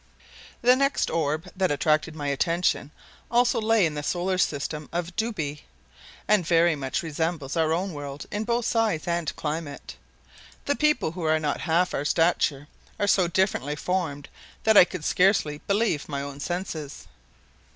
The next orb that attracted my attention also lay in the solar system of Dubhe, and very much resembles our own world in both size and climate. The people, who are not half our stature, are so differently formed that I could scarcely believe my own senses.